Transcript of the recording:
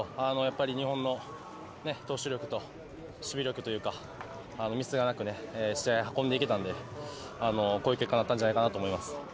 日本の投手力と守備力というか、ミスがなく、試合を運んで行けたので、こういう結果になったと思います。